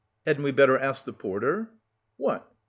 "Hadn't we better ask the porter?" "What?"